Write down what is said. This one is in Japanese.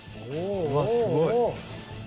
うわすごい。